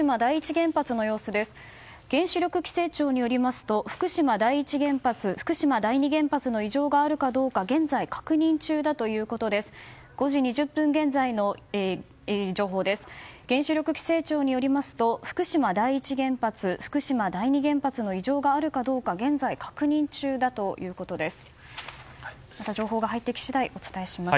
原子力規制庁によりますと福島第一原発、福島第二原発の異常があるかどうか現在、確認中だということです。